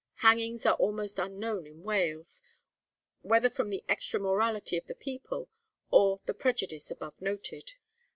Hangings are almost unknown in Wales, whether from the extra morality of the people, or the prejudice above noted.